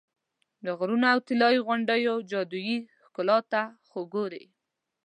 د غرونو او طلایي غونډیو جادویي ښکلا ته خو ګورې.